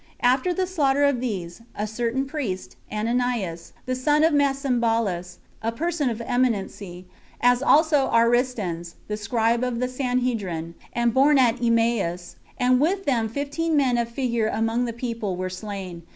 After the slaughter of these, a certain priest, Ananias, the son of Masambalus, a person of eminency, as also Aristens, the scribe of the sanhedrim, and born at Emmaus, and with them fifteen men of figure among the people, were slain.